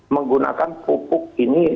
menggunakan pupuk ini